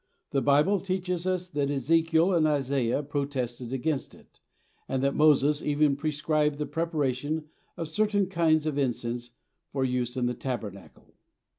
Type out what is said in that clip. The Bible teaches us that Ezekiel and Isaiah protested against it, and that Moses even prescribed the preparation of certain kinds of incense for use in the tabernacle.